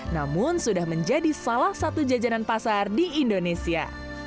namun sudah menjadi salah satu jajanan pasar di indonesia